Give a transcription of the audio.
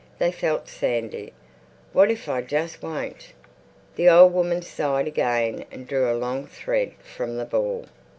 They felt sandy. "What if I just won't?" The old woman sighed again and drew a long thread from the ball.